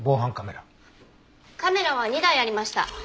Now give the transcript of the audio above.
カメラは２台ありました。